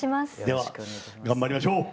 では頑張りましょう！